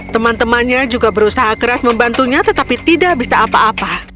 teman temannya juga berusaha keras membantunya tetapi tidak bisa apa apa